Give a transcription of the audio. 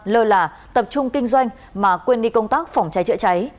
lơ là tập trung kinh doanh mà quên đi công tác phòng cháy chữa cháy